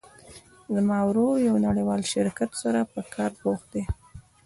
زما ورور د یو نړیوال شرکت سره په کار بوخت ده